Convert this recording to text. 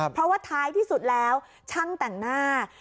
เพราะว่าท้ายที่สุดแล้วช่างแต่งหน้า